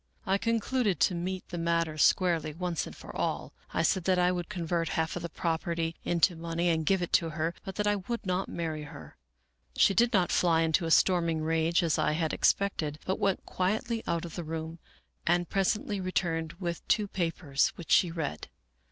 " I concluded to meet the matter squarely once for all. I said that I would convert half of the property into money and give it to her, but that I would not marry her. She did not fly into a storming rage as I had expected, but went quietly out of the room and presently returned with two papers, which she read.